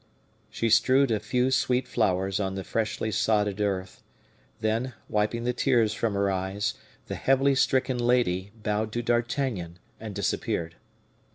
She strewed a few sweet flowers on the freshly sodded earth; then, wiping the tears from her eyes, the heavily stricken lady bowed to D'Artagnan, and disappeared.